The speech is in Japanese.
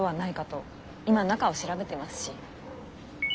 今中を調べてますし。